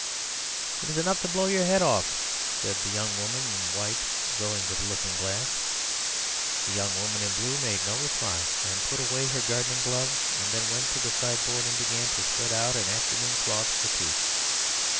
"It's enough to blow your head off," said the young woman in white, going to the looking glass. The young woman in blue made no reply, but put away her gardening gloves, and then went to the sideboard and began to spread out an afternoon cloth for tea.